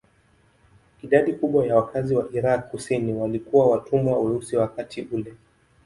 Idadi kubwa ya wakazi wa Irak kusini walikuwa watumwa weusi wakati ule.